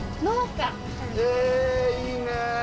へえいいね。